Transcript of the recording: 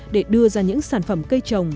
để đưa ra những sản phẩm cây trồng